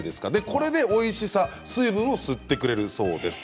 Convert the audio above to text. これで、おいしさ水分を吸ってくれるそうです。